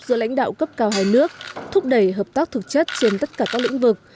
giữa lãnh đạo cấp cao hai nước thúc đẩy hợp tác thực chất trên tất cả các lĩnh vực